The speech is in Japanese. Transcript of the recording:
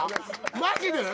マジで？